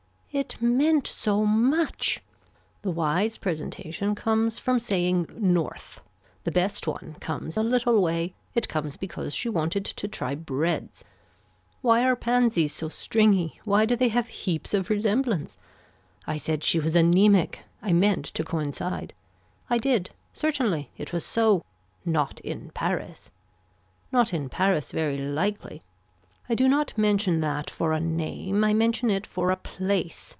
It meant so much. The wise presentation comes from saying north, the best one comes a little way, it comes because she wanted to try breads. Why are pansies so stringy, why do they have heaps of resemblance. I said she was anaemic. I meant to coincide. I did certainly. It was so. Not in Paris. Not in Paris very likely. I do not mention that for a name. I mention it for a place.